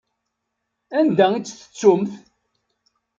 Anda i tt-tettumt?